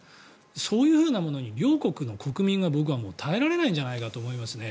そういうものに両国の国民が耐えられないんじゃないかと思いますね。